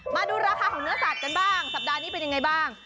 มาดูราคาของเนื้อสัตว์กันบ้างสัปดาห์นี้เป็นยังไงบ้าง